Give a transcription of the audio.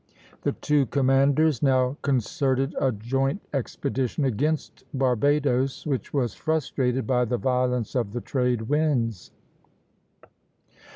The two commanders now concerted a joint expedition against Barbadoes, which was frustrated by the violence of the trade winds.